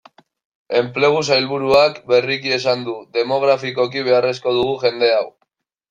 Enplegu sailburuak berriki esan du, demografikoki beharrezko dugu jende hau.